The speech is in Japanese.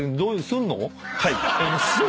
はい。